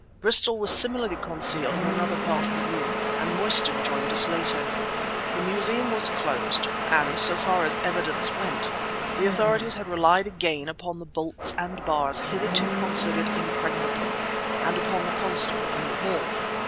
Bristol was similarly concealed in another part of the room, and Mostyn joined us later. The Museum was closed; and so far as evidence went the authorities had relied again upon the bolts and bars hitherto considered impregnable, and upon the constable in the hall.